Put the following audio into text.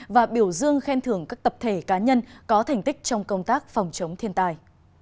và biểu dương khen thưởng các tập thể cá nhân có thành tích trong công tác phòng chống thiên tai